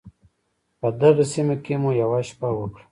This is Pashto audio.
په دغې سیمه کې مو یوه شپه وکړه.